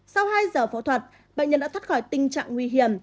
sau hai giờ phẫu thuật bệnh nhân đã thoát khỏi tình trạng nguy hiểm